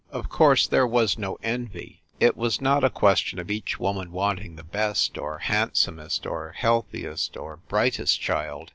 Of course, there was no envy; it was not a question of each woman wanting the best, or handsomest or healthiest or brightest child.